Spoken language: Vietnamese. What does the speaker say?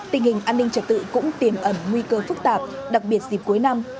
tình hình an ninh trật tự cũng tiềm ẩn nguy cơ phức tạp đặc biệt dịp cuối năm